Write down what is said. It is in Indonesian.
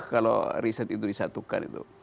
kalau riset itu disatukan itu